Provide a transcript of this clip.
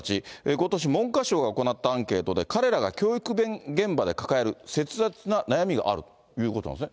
ことし文科省が行ったアンケートで彼らが教育現場で抱える切実な悩みがあるということなんですね。